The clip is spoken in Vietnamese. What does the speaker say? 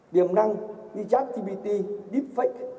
điểm năng như chat gpt deepfake